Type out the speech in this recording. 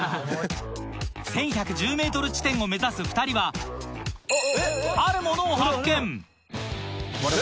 １１１０ｍ地点を目指す２人はあるものを発見